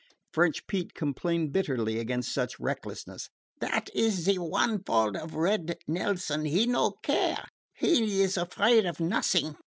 French Pete complained bitterly against such recklessness. "Dat is ze one fault of Red Nelson. He no care. He is afraid of not'ing.